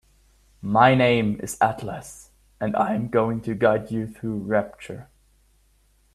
My name is Atlas and I'm going to guide you through Rapture.